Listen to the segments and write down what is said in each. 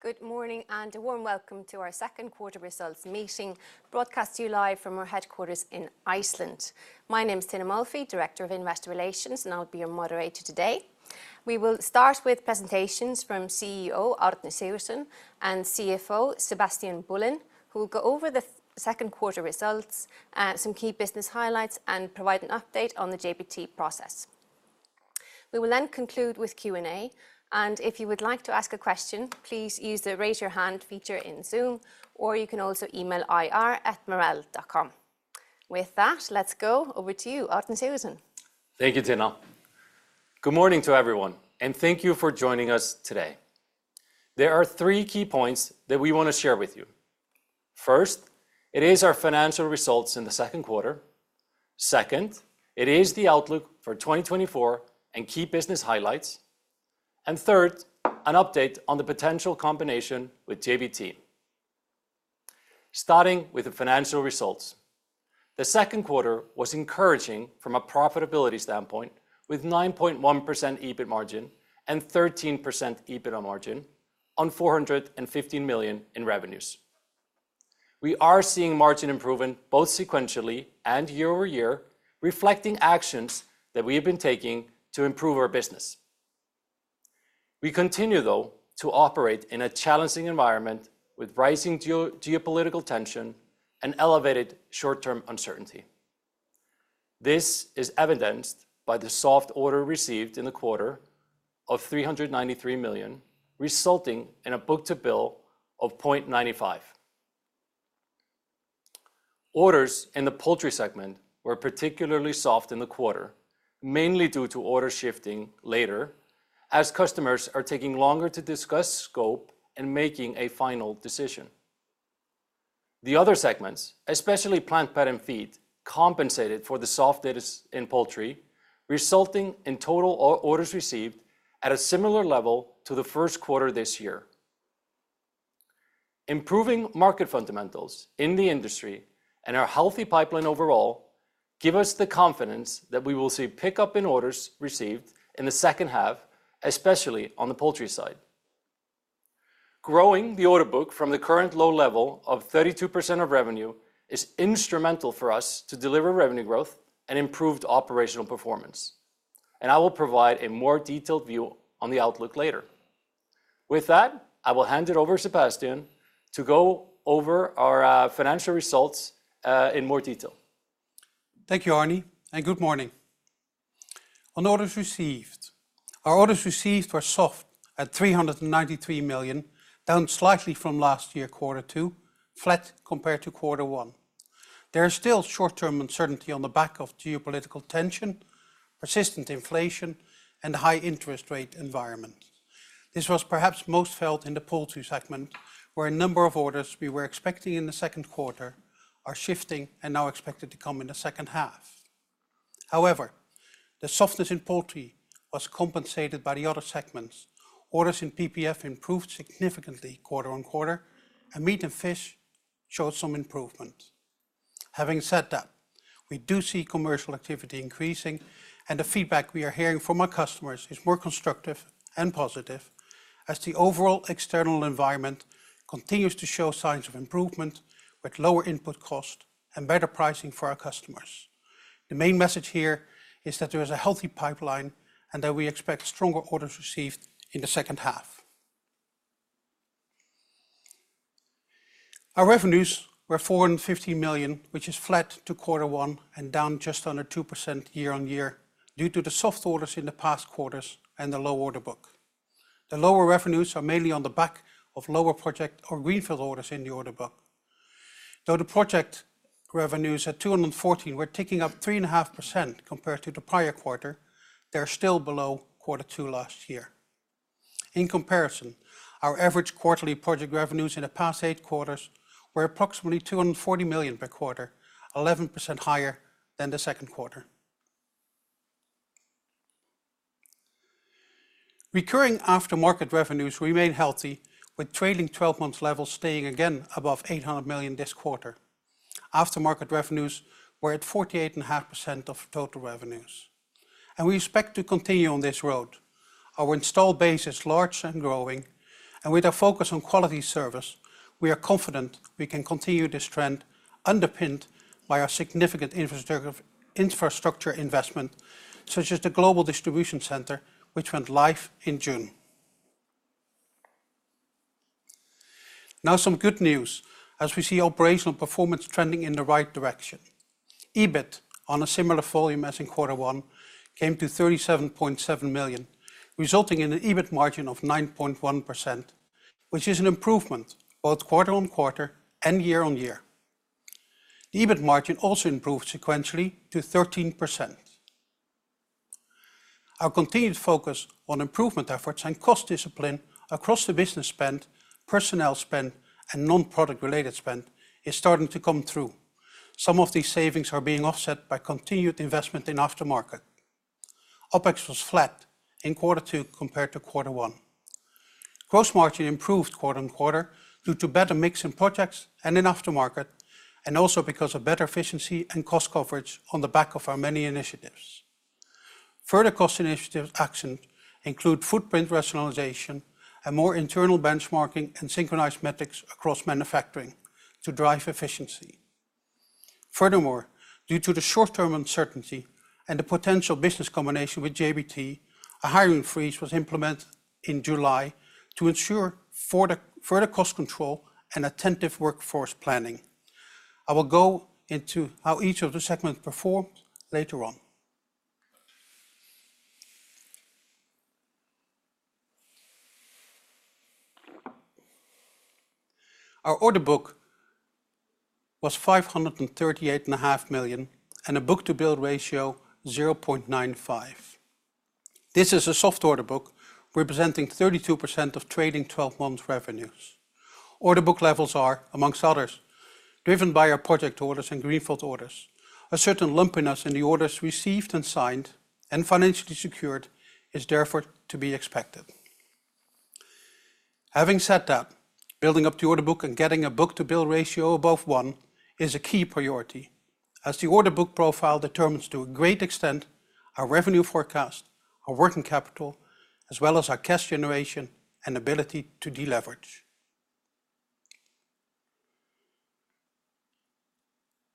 Good morning and a warm welcome to our second quarter results meeting, broadcast to you live from our headquarters in Iceland. My name is Tinna Molphy, Director of Investor Relations, and I'll be your moderator today. We will start with presentations from CEO Árni Sigurðsson and CFO Sebastiaan Boelen, who will go over the second quarter results, some key business highlights, and provide an update on the JBT process. We will then conclude with Q&A, and if you would like to ask a question, please use the raise your hand feature in Zoom, or you can also email ir@marel.com. With that, let's go over to you, Árni Sigurðsson. Thank you, Tinna. Good morning to everyone, and thank you for joining us today. There are three key points that we want to share with you. First, it is our financial results in the second quarter. Second, it is the outlook for 2024 and key business highlights. Third, an update on the potential combination with JBT. Starting with the financial results, the second quarter was encouraging from a profitability standpoint, with 9.1% EBIT margin and 13% EBITDA margin on 415 million in revenues. We are seeing margin improvement both sequentially and year-over-year, reflecting actions that we have been taking to improve our business. We continue, though, to operate in a challenging environment with rising geopolitical tension and elevated short-term uncertainty. This is evidenced by the soft order received in the quarter of 393 million, resulting in a book-to-bill of 0.95. Orders in the poultry segment were particularly soft in the quarter, mainly due to order shifting later, as customers are taking longer to discuss scope and making a final decision. The other segments, especially Plant, Pet, and Feed, compensated for the soft data in poultry, resulting in total orders received at a similar level to the first quarter this year. Improving market fundamentals in the industry and our healthy pipeline overall give us the confidence that we will see pickup in orders received in the second half, especially on the poultry side. Growing the order book from the current low level of 32% of revenue is instrumental for us to deliver revenue growth and improved operational performance, and I will provide a more detailed view on the outlook later. With that, I will hand it over to Sebastiaan to go over our financial results in more detail. Thank you, Árni, and good morning. On orders received, our orders received were soft at 393 million, down slightly from last year's quarter two, flat compared to quarter one. There is still short-term uncertainty on the back of geopolitical tension, persistent inflation, and a high interest rate environment. This was perhaps most felt in the poultry segment, where a number of orders we were expecting in the second quarter are shifting and now expected to come in the second half. However, the softness in poultry was compensated by the other segments. Orders in PPF improved significantly quarter-on-quarter, and meat and fish showed some improvement. Having said that, we do see commercial activity increasing, and the feedback we are hearing from our customers is more constructive and positive, as the overall external environment continues to show signs of improvement with lower input cost and better pricing for our customers. The main message here is that there is a healthy pipeline and that we expect stronger orders received in the second half. Our revenues were 415 million, which is flat to quarter one and down just under 2% year-on-year due to the soft orders in the past quarters and the low order book. The lower revenues are mainly on the back of lower project or greenfield orders in the order book. Though the project revenues at 240 million were ticking up 3.5% compared to the prior quarter, they are still below quarter two last year. In comparison, our average quarterly project revenues in the past eight quarters were approximately 240 million per quarter, 11% higher than the second quarter. Recurring aftermarket revenues remain healthy, with trailing 12-month levels staying again above 800 million this quarter. Aftermarket revenues were at 48.5% of total revenues, and we expect to continue on this road. Our installed base is large and growing, and with our focus on quality service, we are confident we can continue this trend, underpinned by our significant infrastructure investment, such as the Global Distribution Center, which went live in June. Now, some good news, as we see operational performance trending in the right direction. EBIT, on a similar volume as in quarter one, came to 37.7 million, resulting in an EBIT margin of 9.1%, which is an improvement both quarter-over-quarter and year-over-year. The EBIT margin also improved sequentially to 13%. Our continued focus on improvement efforts and cost discipline across the business spend, personnel spend, and non-product related spend is starting to come through. Some of these savings are being offset by continued investment in aftermarket. OpEx was flat in quarter two compared to quarter one. Gross margin improved quarter on quarter due to better mix in projects and in aftermarket, and also because of better efficiency and cost coverage on the back of our many initiatives. Further cost initiatives action include footprint rationalization and more internal benchmarking and synchronized metrics across manufacturing to drive efficiency. Furthermore, due to the short-term uncertainty and the potential business combination with JBT, a hiring freeze was implemented in July to ensure further cost control and attentive workforce planning. I will go into how each of the segments performed later on. Our order book was 538.5 million and a book-to-bill ratio of 0.95. This is a soft order book representing 32% of trading 12-month revenues. Order book levels are, among others, driven by our project orders and greenfield orders. A certain lumpiness in the orders received and signed and financially secured is therefore to be expected. Having said that, building up the order book and getting a book-to-bill ratio above one is a key priority, as the order book profile determines to a great extent our revenue forecast, our working capital, as well as our cash generation and ability to deleverage.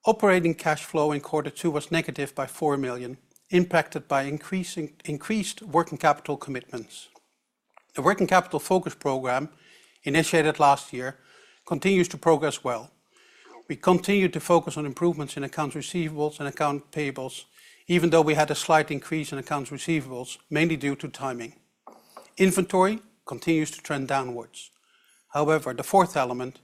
Operating cash flow in quarter two was negative by 4 million, impacted by increased working capital commitments. The working capital focus program initiated last year continues to progress well. We continue to focus on improvements in accounts receivables and account payables, even though we had a slight increase in accounts receivables, mainly due to timing. Inventory continues to trend downwards. However, the fourth element,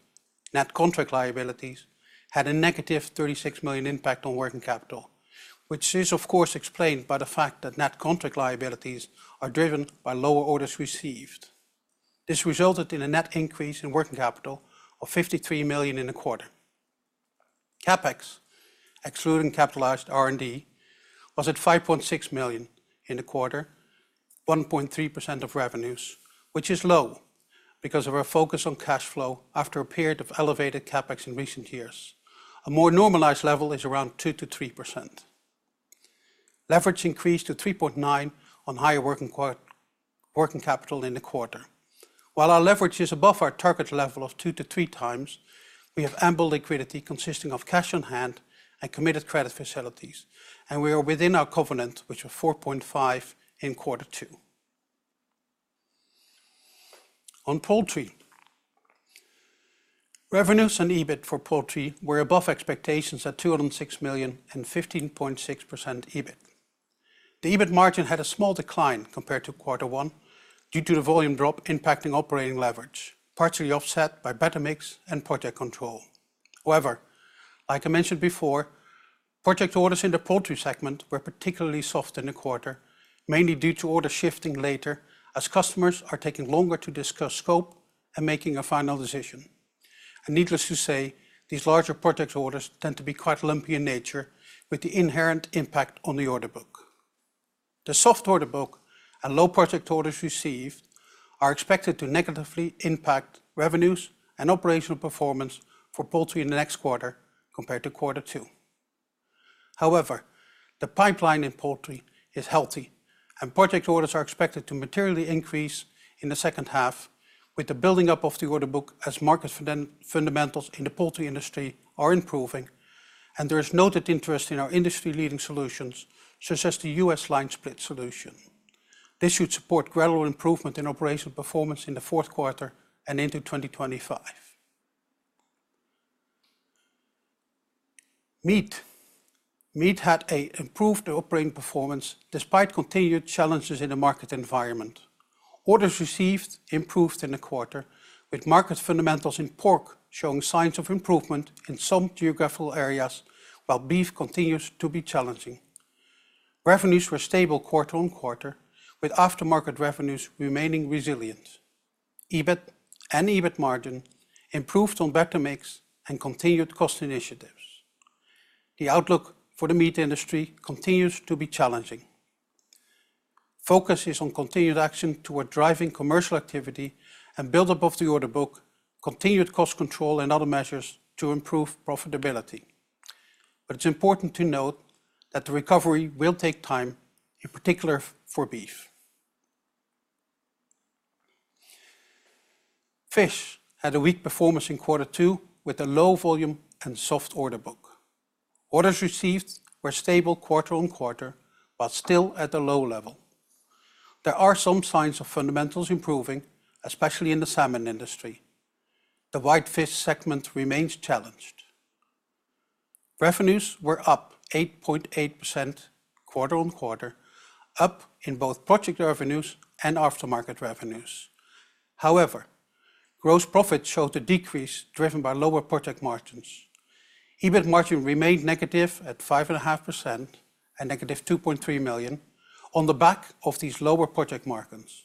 net contract liabilities, had a -36 million impact on working capital, which is, of course, explained by the fact that net contract liabilities are driven by lower orders received. This resulted in a net increase in working capital of 53 million in the quarter. CapEx, excluding capitalized R&D, was at 5.6 million in the quarter, 1.3% of revenues, which is low because of our focus on cash flow after a period of elevated CapEx in recent years. A more normalized level is around 2%-3%. Leverage increased to 3.9% on higher working capital in the quarter. While our leverage is above our target level of 2x-3x, we have ample liquidity consisting of cash on hand and committed credit facilities, and we are within our covenant, which was 4.5% in quarter two. On poultry, revenues and EBIT for poultry were above expectations at 206 million and 15.6% EBIT. The EBIT margin had a small decline compared to quarter one due to the volume drop impacting operating leverage, partially offset by better mix and project control. However, like I mentioned before, project orders in the poultry segment were particularly soft in the quarter, mainly due to orders shifting later as customers are taking longer to discuss scope and making a final decision. Needless to say, these larger project orders tend to be quite lumpy in nature, with the inherent impact on the order book. The soft order book and low project orders received are expected to negatively impact revenues and operational performance for poultry in the next quarter compared to quarter two. However, the pipeline in poultry is healthy, and project orders are expected to materially increase in the second half, with the building up of the order book as market fundamentals in the poultry industry are improving, and there is noted interest in our industry-leading solutions, such as the U.S. line split solution. This should support gradual improvement in operational performance in the fourth quarter and into 2025. Meat. Meat had an improved operating performance despite continued challenges in the market environment. Orders received improved in the quarter, with market fundamentals in pork showing signs of improvement in some geographical areas, while beef continues to be challenging. Revenues were stable quarter-on-quarter, with aftermarket revenues remaining resilient. EBIT and EBIT margin improved on better mix and continued cost initiatives. The outlook for the meat industry continues to be challenging. Focus is on continued action toward driving commercial activity and build up of the order book, continued cost control, and other measures to improve profitability. It's important to note that the recovery will take time, in particular for beef. Fish had a weak performance in quarter two with a low volume and soft order book. Orders received were stable quarter on quarter, but still at a low level. There are some signs of fundamentals improving, especially in the salmon industry. The white fish segment remains challenged. Revenues were up 8.8% quarter-on-quarter, up in both project revenues and aftermarket revenues. However, gross profit showed a decrease driven by lower project margins. EBIT margin remained negative at -5.5% and -2.3 million on the back of these lower project margins.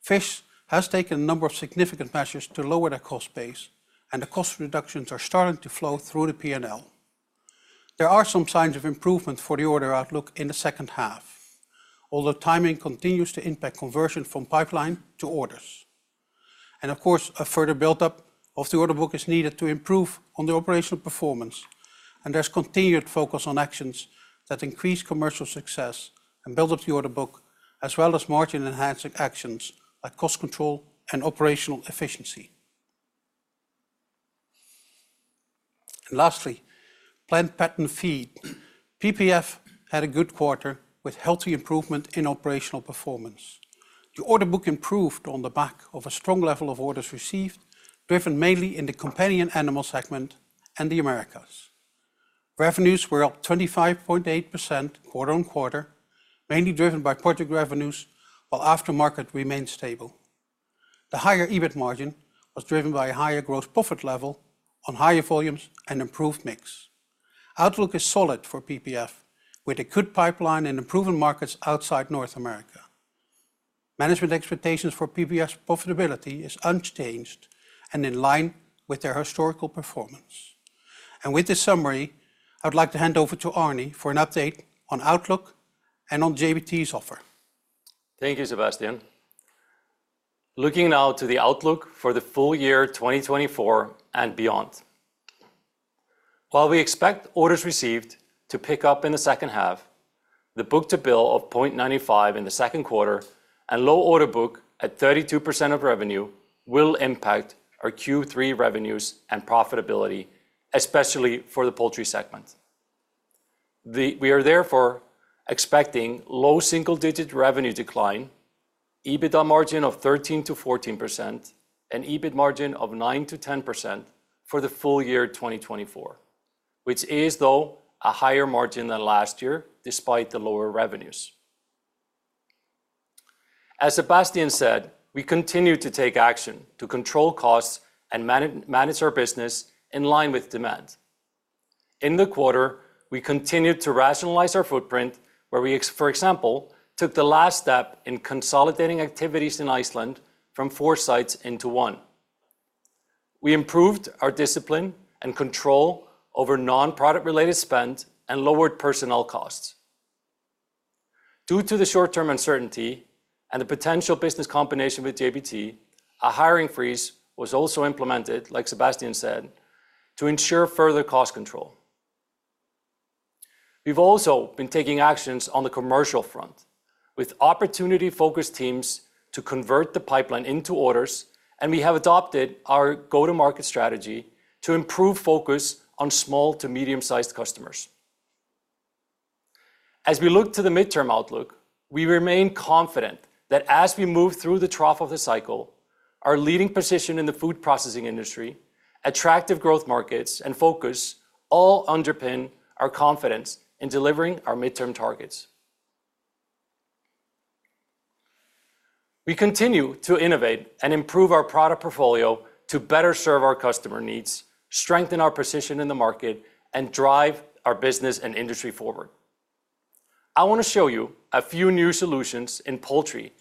Fish has taken a number of significant measures to lower their cost base, and the cost reductions are starting to flow through the P&L. There are some signs of improvement for the order outlook in the second half, although timing continues to impact conversion from pipeline to orders. Of course, a further build-up of the order book is needed to improve on the operational performance, and there's continued focus on actions that increase commercial success and build up the order book, as well as margin-enhancing actions like cost control and operational efficiency. Lastly, Plant, Pet, and Feed. PPF had a good quarter with healthy improvement in operational performance. The order book improved on the back of a strong level of orders received, driven mainly in the companion animal segment and the Americas. Revenues were up 25.8% quarter-over-quarter, mainly driven by project revenues, while aftermarket remained stable. The higher EBIT margin was driven by a higher gross profit level on higher volumes and improved mix. Outlook is solid for PPF, with a good pipeline and improving markets outside North America. Management expectations for PPF's profitability are unchanged and in line with their historical performance. With this summary, I would like to hand over to Árni for an update on outlook and on JBT's offer. Thank you, Sebastiaan. Looking now to the outlook for the full year 2024 and beyond. While we expect orders received to pick up in the second half, the book-to-bill of 0.95 in the second quarter and low order book at 32% of revenue will impact our Q3 revenues and profitability, especially for the poultry segment. We are therefore expecting low single-digit revenue decline, EBIT margin of 13%-14%, and EBIT margin of 9%-10% for the full year 2024, which is, though, a higher margin than last year despite the lower revenues. As Sebastiaan said, we continue to take action to control costs and manage our business in line with demand. In the quarter, we continued to rationalize our footprint, where we, for example, took the last step in consolidating activities in Iceland from four sites into one. We improved our discipline and control over non-product related spend and lowered personnel costs. Due to the short-term uncertainty and the potential business combination with JBT, a hiring freeze was also implemented, like Sebastiaan said, to ensure further cost control. We've also been taking actions on the commercial front, with opportunity-focused teams to convert the pipeline into orders, and we have adopted our go-to-market strategy to improve focus on small to medium-sized customers. As we look to the midterm outlook, we remain confident that as we move through the trough of the cycle, our leading position in the food processing industry, attractive growth markets, and focus all underpin our confidence in delivering our midterm targets. We continue to innovate and improve our product portfolio to better serve our customer needs, strengthen our position in the market, and drive our business and industry forward. I want to show you a few new solutions in poultry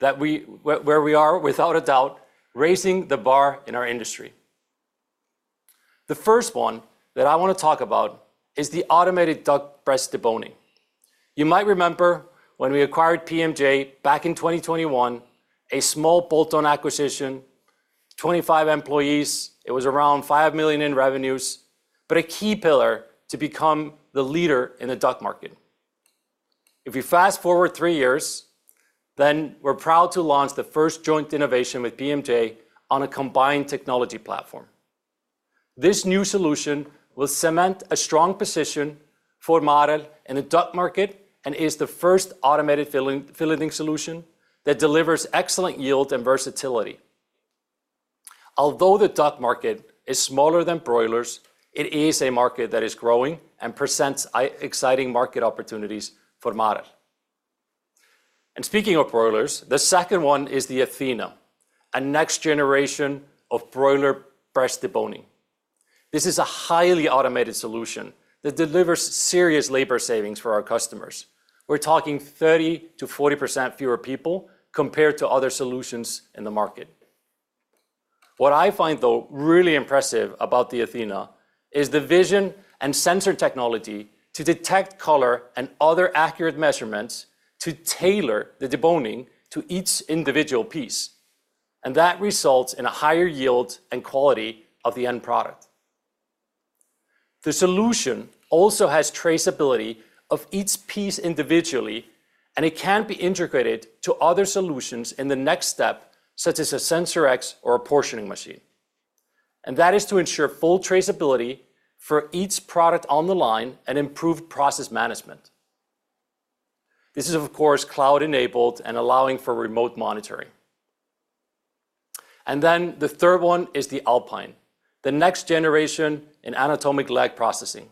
that we, where we are, without a doubt, raising the bar in our industry. The first one that I want to talk about is the automated duck breast deboning. You might remember when we acquired PMJ back in 2021, a small bolt-on acquisition, 25 employees. It was around 5 million in revenues, but a key pillar to become the leader in the duck market. If we fast forward three years, then we're proud to launch the first joint innovation with PMJ on a combined technology platform. This new solution will cement a strong position for Marel in the duck market and is the first automated filleting solution that delivers excellent yield and versatility. Although the duck market is smaller than broilers, it is a market that is growing and presents exciting market opportunities for Marel. Speaking of broilers, the second one is the ATHENA, a next generation of broiler breast deboning. This is a highly automated solution that delivers serious labor savings for our customers. We're talking 30%-40% fewer people compared to other solutions in the market. What I find, though, really impressive about the ATHENA is the vision and sensor technology to detect color and other accurate measurements to tailor the deboning to each individual piece, and that results in a higher yield and quality of the end product. The solution also has traceability of each piece individually, and it can be integrated to other solutions in the next step, such as a SensorX or a portioning machine. That is to ensure full traceability for each product on the line and improved process management. This is, of course, cloud-enabled and allowing for remote monitoring. And then the third one is the ALPINE, the next generation in anatomic leg processing.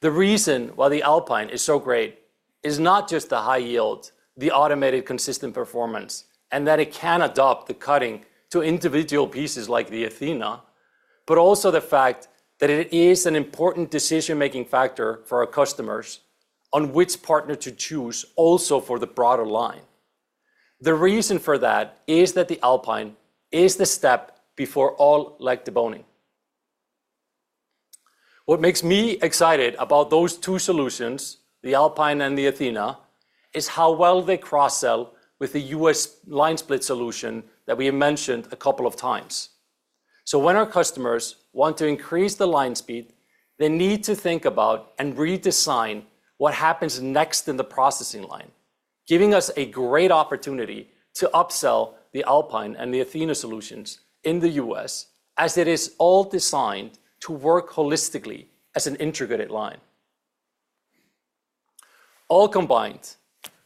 The reason why the ALPINE is so great is not just the high yield, the automated consistent performance, and that it can adapt the cutting to individual pieces like the ATHENA, but also the fact that it is an important decision-making factor for our customers on which partner to choose also for the broader line. The reason for that is that the ALPINE is the step before all leg deboning. What makes me excited about those two solutions, the ALPINE and the ATHENA, is how well they cross-sell with the U.S. line split solution that we have mentioned a couple of times. So when our customers want to increase the line speed, they need to think about and redesign what happens next in the processing line, giving us a great opportunity to upsell the ALPINE and the ATHENA solutions in the U.S., as it is all designed to work holistically as an integrated line. All combined,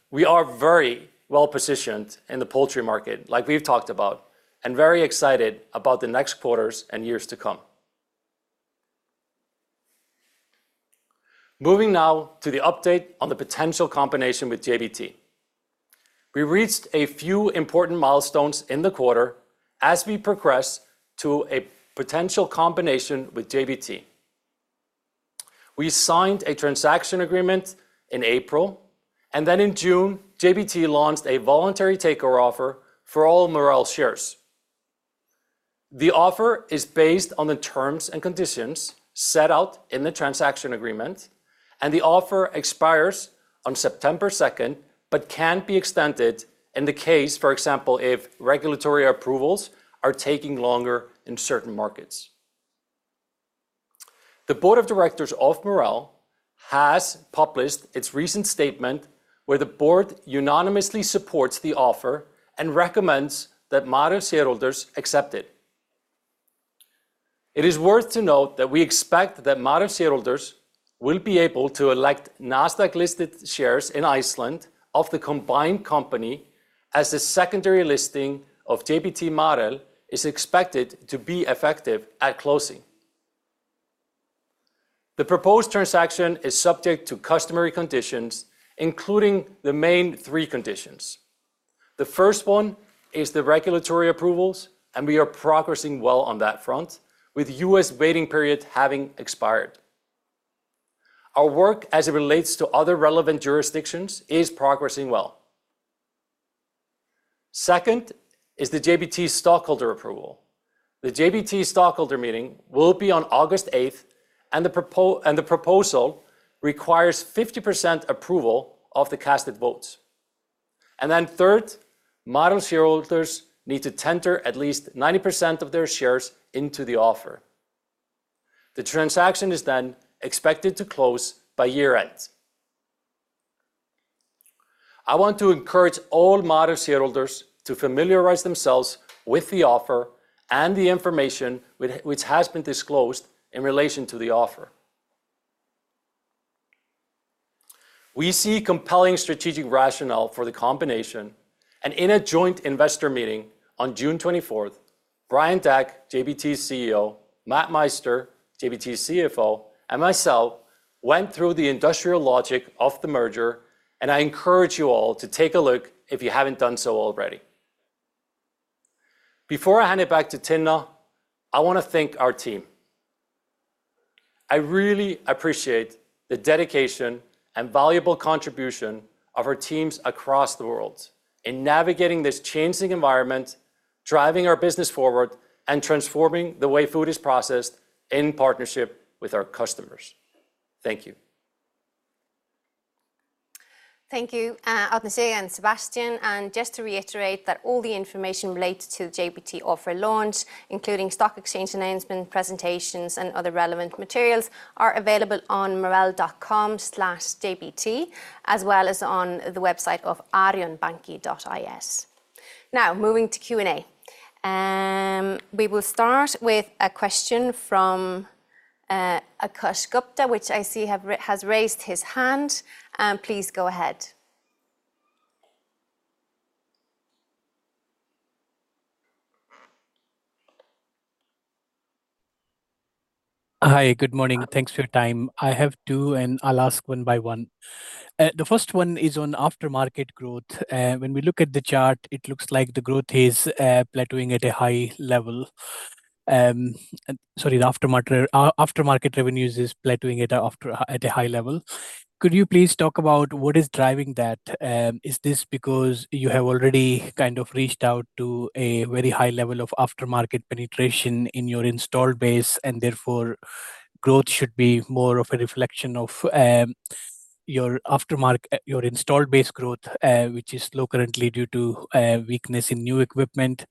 we are very well positioned in the poultry market, like we've talked about, and very excited about the next quarters and years to come. Moving now to the update on the potential combination with JBT. We reached a few important milestones in the quarter as we progressed to a potential combination with JBT. We signed a transaction agreement in April, and then in June, JBT launched a voluntary takeover offer for all Marel shares. The offer is based on the terms and conditions set out in the transaction agreement, and the offer expires on September 2nd, but can be extended in the case, for example, if regulatory approvals are taking longer in certain markets. The Board of Directors of Marel has published its recent statement, where the board unanimously supports the offer and recommends that Marel shareholders accept it. It is worth to note that we expect that Marel shareholders will be able to elect Nasdaq-listed shares in Iceland of the combined company as the secondary listing of JBT Marel is expected to be effective at closing. The proposed transaction is subject to customary conditions, including the main three conditions. The first one is the regulatory approvals, and we are progressing well on that front, with U.S. waiting period having expired. Our work as it relates to other relevant jurisdictions is progressing well. Second is the JBT stockholder approval. The JBT stockholder meeting will be on August 8th, and the proposal requires 50% approval of the cast votes. Then third, Marel shareholders need to tender at least 90% of their shares into the offer. The transaction is then expected to close by year-end. I want to encourage all Marel shareholders to familiarize themselves with the offer and the information which has been disclosed in relation to the offer. We see compelling strategic rationale for the combination, and in a joint investor meeting on June 24th, Brian Deck, JBT's CEO, Matt Meister, JBT's CFO, and myself went through the industrial logic of the merger, and I encourage you all to take a look if you haven't done so already. Before I hand it back to Tinna, I want to thank our team. I really appreciate the dedication and valuable contribution of our teams across the world in navigating this changing environment, driving our business forward, and transforming the way food is processed in partnership with our customers. Thank you. Thank you, Árni Sigurðsson, Sebastiaan. Just to reiterate that all the information related to the JBT offer launch, including stock exchange announcement, presentations, and other relevant materials, are available on marel.com/jbt, as well as on the website of arionbanki.is. Now, moving to Q&A. We will start with a question from Akash Gupta, which I see has raised his hand. Please go ahead. Hi, good morning. Thanks for your time. I have two, and I'll ask one by one. The first one is on aftermarket growth. When we look at the chart, it looks like the growth is plateauing at a high level. Sorry, aftermarket revenues is plateauing at a high level. Could you please talk about what is driving that? Is this because you have already kind of reached out to a very high level of aftermarket penetration in your installed base, and therefore growth should be more of a reflection of your installed base growth, which is low currently due to weakness in new equipment?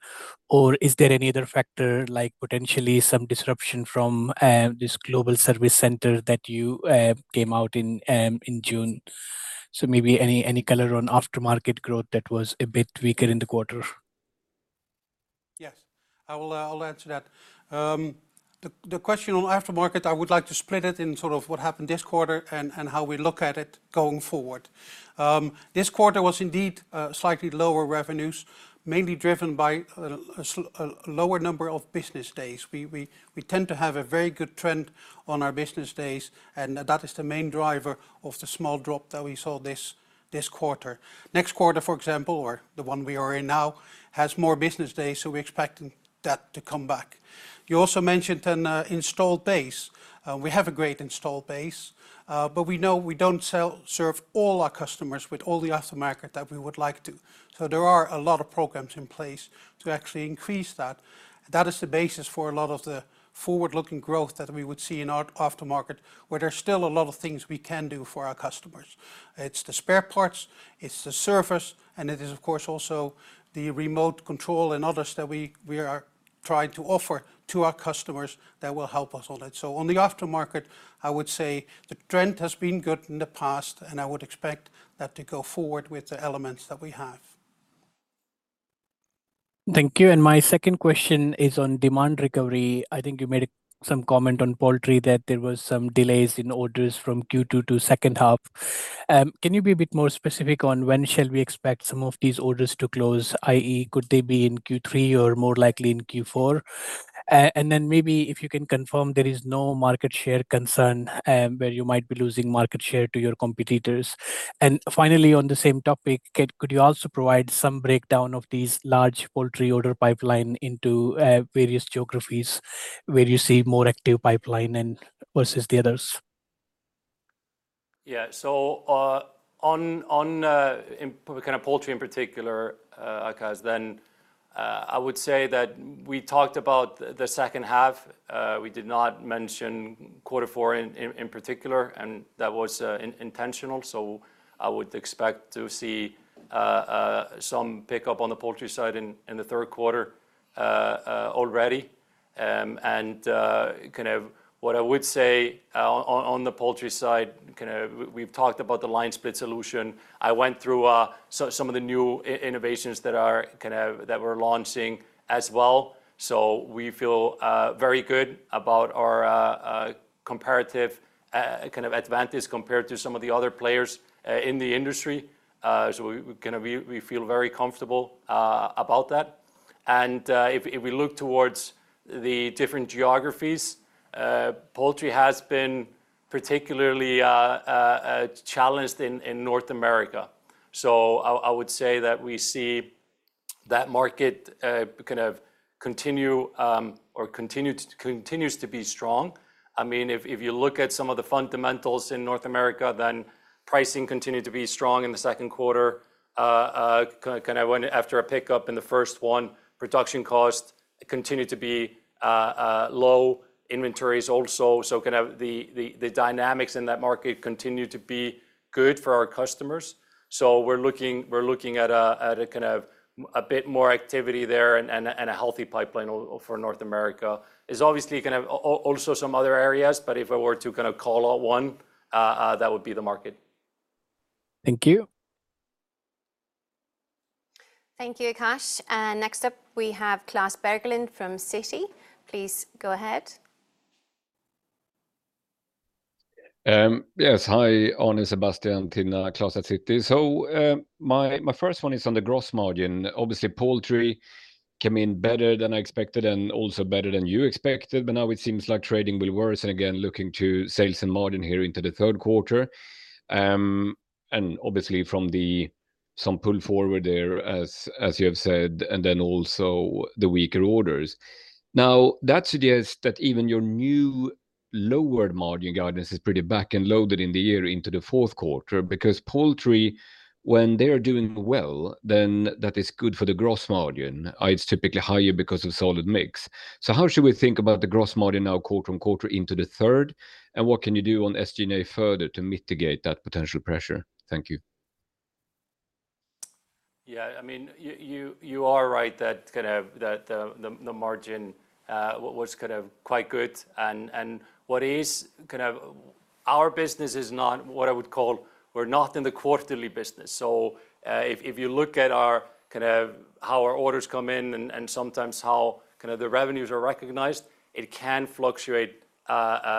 Or is there any other factor, like potentially some disruption from this global service center that you came out in June? So maybe any color on aftermarket growth that was a bit weaker in the quarter? Yes, I'll answer that. The question on aftermarket, I would like to split it in sort of what happened this quarter and how we look at it going forward. This quarter was indeed slightly lower revenues, mainly driven by a lower number of business days. We tend to have a very good trend on our business days, and that is the main driver of the small drop that we saw this quarter. Next quarter, for example, or the one we are in now, has more business days, so we're expecting that to come back. You also mentioned an installed base. We have a great installed base, but we know we don't serve all our customers with all the aftermarket that we would like to. So there are a lot of programs in place to actually increase that. That is the basis for a lot of the forward-looking growth that we would see in our aftermarket, where there's still a lot of things we can do for our customers. It's the spare parts, it's the service, and it is, of course, also the remote control and others that we are trying to offer to our customers that will help us on it. So on the aftermarket, I would say the trend has been good in the past, and I would expect that to go forward with the elements that we have. Thank you. And my second question is on demand recovery. I think you made some comment on poultry that there were some delays in orders from Q2 to second half. Can you be a bit more specific on when shall we expect some of these orders to close, i.e., could they be in Q3 or more likely in Q4? And then maybe if you can confirm there is no market share concern where you might be losing market share to your competitors. And finally, on the same topic, could you also provide some breakdown of these large poultry order pipeline into various geographies where you see more active pipeline versus the others? Yeah, so on kind of poultry in particular, Akash, then I would say that we talked about the second half. We did not mention quarter four in particular, and that was intentional. So I would expect to see some pickup on the poultry side in the third quarter already. And kind of what I would say on the poultry side, kind of we've talked about the line split solution. I went through some of the new innovations that are kind of that we're launching as well. So we feel very good about our comparative kind of advantage compared to some of the other players in the industry. So we kind of we feel very comfortable about that. And if we look towards the different geographies, poultry has been particularly challenged in North America. So I would say that we see that market kind of continue or continues to be strong. I mean, if you look at some of the fundamentals in North America, then pricing continued to be strong in the second quarter, kind of after a pickup in the first one. Production costs continued to be low. Inventories also. So kind of the dynamics in that market continue to be good for our customers. So we're looking at kind of a bit more activity there and a healthy pipeline for North America. There's obviously kind of also some other areas, but if I were to kind of call out one, that would be the market. Thank you. Thank you, Akash. Next up, we have Klas Bergelind from Citi. Please go ahead. Yes, hi, Árni Sigurdsson, Tinna, Klas at Citi. So my first one is on the gross margin. Obviously, poultry came in better than I expected and also better than you expected, but now it seems like trading will worsen again, looking to sales and margin here into the third quarter. And obviously, from some pull forward there, as you have said, and then also the weaker orders. Now, that suggests that even your new lowered margin guidance is pretty back and loaded in the year into the fourth quarter, because poultry, when they are doing well, then that is good for the gross margin. It's typically higher because of solid mix. So how should we think about the gross margin now quarter on quarter into the third? And what can you do on SG&A further to mitigate that potential pressure? Thank you. Yeah, I mean, you are right that kind of the margin was kind of quite good. And what is kind of our business is not what I would call. We're not in the quarterly business. So if you look at our kind of how our orders come in and sometimes how kind of the revenues are recognized, it can fluctuate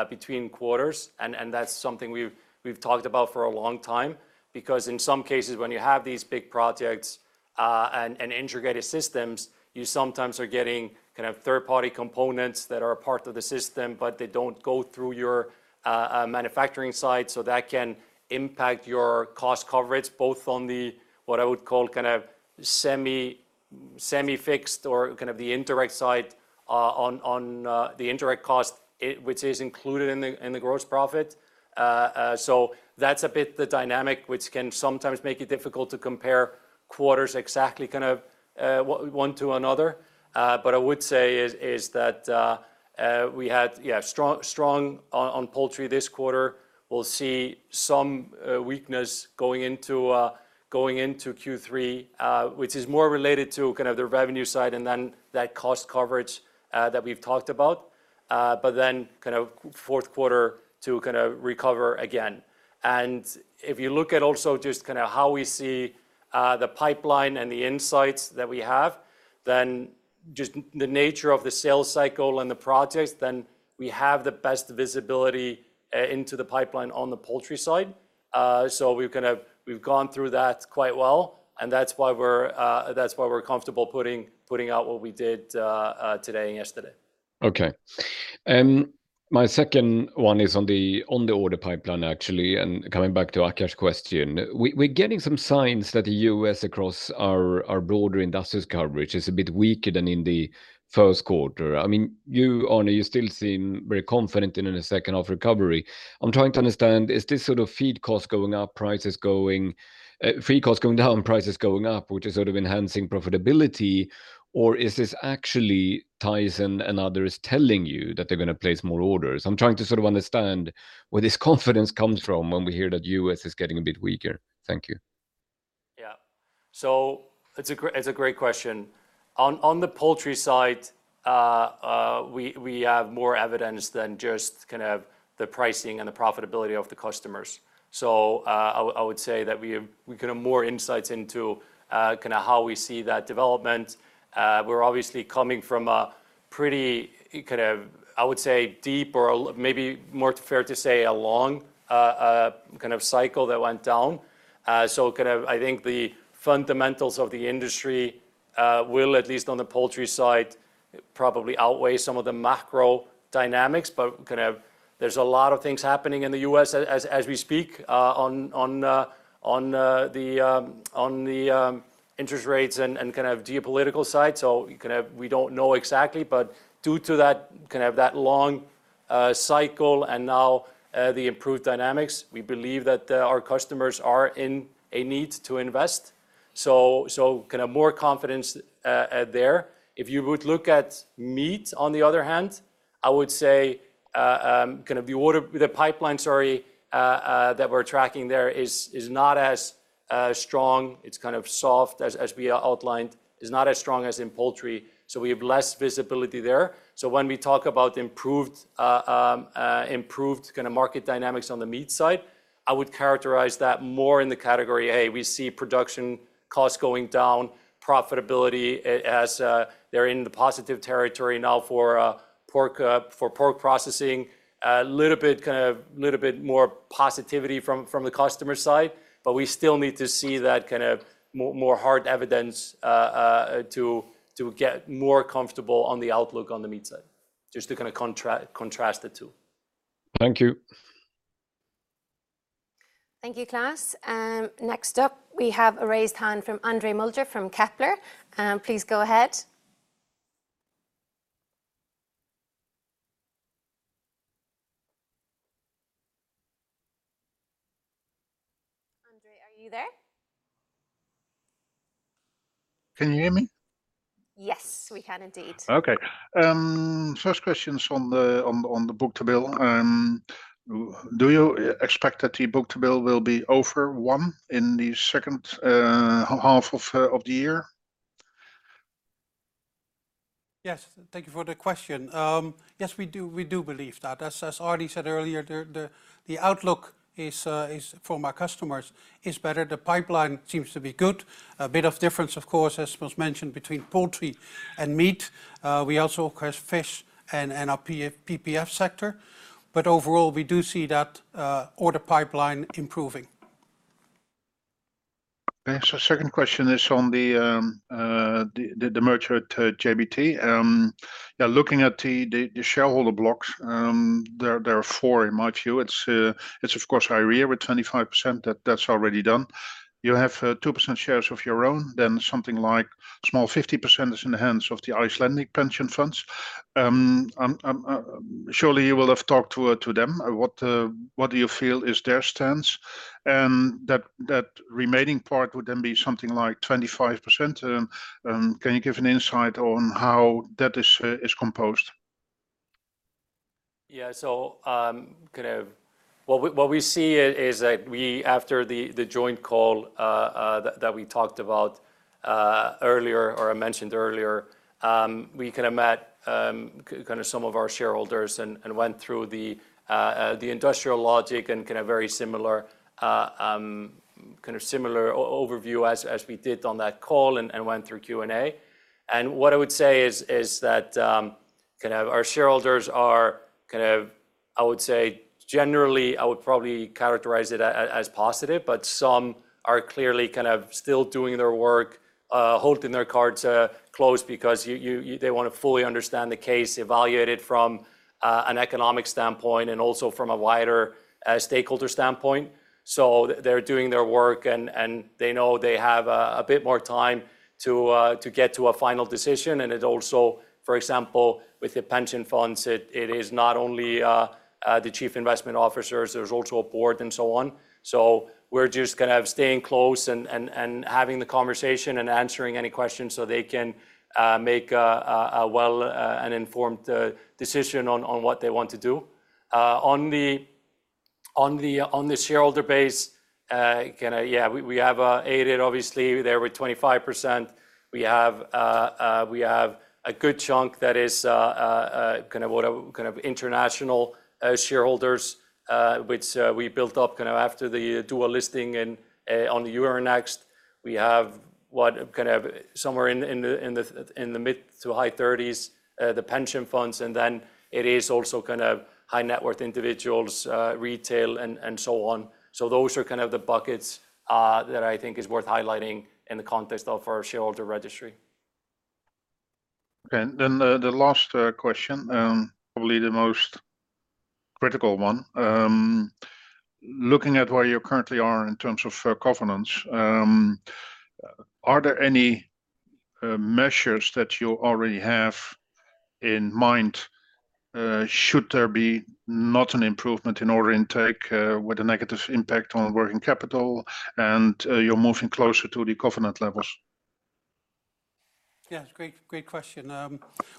between quarters. And that's something we've talked about for a long time, because in some cases, when you have these big projects and integrated systems, you sometimes are getting kind of third-party components that are a part of the system, but they don't go through your manufacturing site. So that can impact your cost coverage, both on the what I would call kind of semi-fixed or kind of the indirect side on the indirect cost, which is included in the gross profit. So that's a bit the dynamic, which can sometimes make it difficult to compare quarters exactly kind of one to another. But I would say is that we had, yeah, strong on poultry this quarter. We'll see some weakness going into Q3, which is more related to kind of the revenue side and then that cost coverage that we've talked about, but then kind of fourth quarter to kind of recover again. And if you look at also just kind of how we see the pipeline and the insights that we have, then just the nature of the sales cycle and the projects, then we have the best visibility into the pipeline on the poultry side. So we've kind of gone through that quite well, and that's why we're comfortable putting out what we did today and yesterday. Okay. My second one is on the order pipeline, actually, and coming back to Akash's question. We're getting some signs that the U.S. across our broader industries coverage is a bit weaker than in the first quarter. I mean, you, Árni, you still seem very confident in the second half recovery. I'm trying to understand, is this sort of feed costs going up, prices going, feed costs going down, prices going up, which is sort of enhancing profitability, or is this actually Tyson and others telling you that they're going to place more orders? I'm trying to sort of understand where this confidence comes from when we hear that U.S. is getting a bit weaker. Thank you. Yeah, so it's a great question. On the poultry side, we have more evidence than just kind of the pricing and the profitability of the customers. So I would say that we have kind of more insights into kind of how we see that development. We're obviously coming from a pretty kind of, I would say, deep or maybe more fair to say a long kind of cycle that went down. So kind of I think the fundamentals of the industry will, at least on the poultry side, probably outweigh some of the macro dynamics, but kind of there's a lot of things happening in the U.S. as we speak on the interest rates and kind of geopolitical side. So kind of we don't know exactly, but due to that kind of that long cycle and now the improved dynamics, we believe that our customers are in a need to invest. So kind of more confidence there. If you would look at meat, on the other hand, I would say kind of the pipeline, sorry, that we're tracking there is not as strong. It's kind of soft, as we outlined, is not as strong as in poultry. So we have less visibility there. So when we talk about improved kind of market dynamics on the meat side, I would characterize that more in the category A. We see production costs going down, profitability as they're in the positive territory now for pork processing, a little bit kind of a little bit more positivity from the customer side, but we still need to see that kind of more hard evidence to get more comfortable on the outlook on the meat side, just to kind of contrast the two. Thank you. Thank you, Klas. Next up, we have a raised hand from André Mulder from Kepler. Please go ahead. André, are you there? Can you hear me? Yes, we can indeed. Okay. First question on the book-to-bill. Do you expect that the book-to-bill will be over one in the second half of the year? Yes, thank you for the question. Yes, we do believe that. As Árni said earlier, the outlook from our customers is better. The pipeline seems to be good. A bit of difference, of course, as was mentioned, between poultry and meat. We also have fish and our PPF sector. But overall, we do see that order pipeline improving. Okay. So second question is on the merger at JBT. Yeah, looking at the shareholder blocks, there are four in my view. It's, of course, Eyrir, with 25%. That's already done. You have 2% shares of your own, then something like a small 50% is in the hands of the Icelandic pension funds. Surely you will have talked to them. What do you feel is their stance? And that remaining part would then be something like 25%. Can you give an insight on how that is composed? Yeah, so kind of what we see is that we, after the joint call that we talked about earlier or I mentioned earlier, we kind of met kind of some of our shareholders and went through the industrial logic and kind of very similar kind of similar overview as we did on that call and went through Q&A. And what I would say is that kind of our shareholders are kind of, I would say, generally, I would probably characterize it as positive, but some are clearly kind of still doing their work, holding their cards close because they want to fully understand the case, evaluate it from an economic standpoint and also from a wider stakeholder standpoint. So they're doing their work and they know they have a bit more time to get to a final decision. It also, for example, with the pension funds, it is not only the chief investment officers, there's also a board and so on. So we're just kind of staying close and having the conversation and answering any questions so they can make a well and informed decision on what they want to do. On the shareholder base, kind of, yeah, we have Eyrir, obviously, there with 25%. We have a good chunk that is kind of international shareholders, which we built up kind of after the dual listing on the Euronext. We have what kind of somewhere in the mid- to high 30s, the pension funds, and then it is also kind of high net worth individuals, retail, and so on. So those are kind of the buckets that I think is worth highlighting in the context of our shareholder registry. Okay. Then the last question, probably the most critical one. Looking at where you currently are in terms of governance, are there any measures that you already have in mind should there be not an improvement in order intake with a negative impact on working capital and you're moving closer to the covenant levels? Yeah, it's a great question.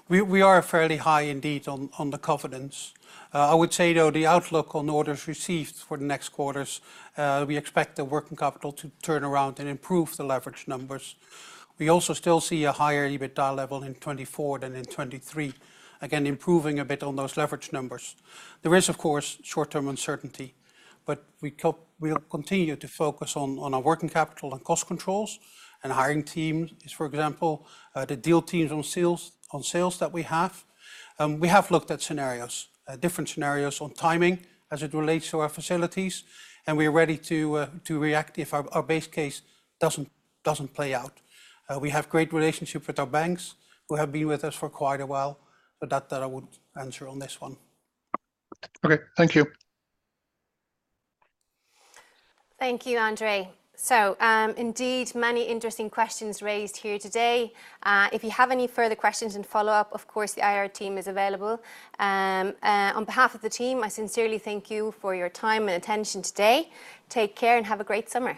We are fairly high indeed on the covenants. I would say, though, the outlook on orders received for the next quarters, we expect the working capital to turn around and improve the leverage numbers. We also still see a higher EBITDA level in 2024 than in 2023, again, improving a bit on those leverage numbers. There is, of course, short-term uncertainty, but we'll continue to focus on our working capital and cost controls and hiring teams, for example, the deal teams on sales that we have. We have looked at scenarios, different scenarios on timing as it relates to our facilities, and we are ready to react if our base case doesn't play out. We have great relationships with our banks who have been with us for quite a while. So that I would answer on this one. Okay. Thank you. Thank you, André. Indeed, many interesting questions raised here today. If you have any further questions and follow-up, of course, the IR team is available. On behalf of the team, I sincerely thank you for your time and attention today. Take care and have a great summer.